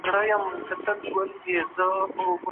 ایا د مڼو په واسطه د وینې د شکر کنټرولول ممکن دي؟